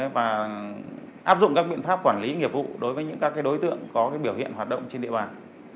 và áp dụng các biện pháp quản lý nghiệp vụ đối với những đối tượng có biểu hiện hoạt động trên địa bàn